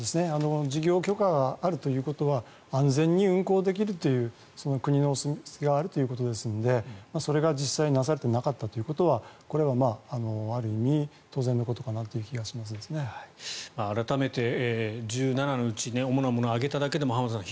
事業許可があるということは安全に運航ができるという国のお墨付きがあるということなのでそれが実際になされていなかったということはこれはある意味当然のことかなという改めて１７のうち主なものを挙げただけでも浜田さん